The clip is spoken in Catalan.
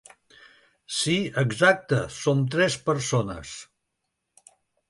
Si, exacte som tres persones.